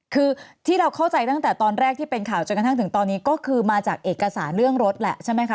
คือที่เราเข้าใจตั้งแต่ตอนแรกที่เป็นข่าวจนกระทั่งถึงตอนนี้ก็คือมาจากเอกสารเรื่องรถแหละใช่ไหมคะ